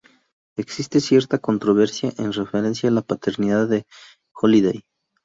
Existe cierta controversia en referencia a la paternidad de Holiday.